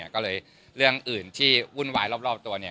ก็เลยเรื่องอื่นที่วุ่นวายรอบตัว